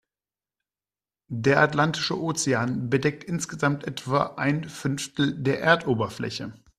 Der Atlantische Ozean bedeckt insgesamt etwa ein Fünftel der Erdoberfläche.